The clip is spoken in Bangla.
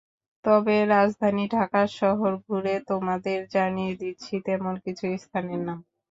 তবে, রাজধানী ঢাকা শহর ঘুরে তোমাদের জানিয়ে দিচ্ছি তেমন কিছু স্থানের নাম।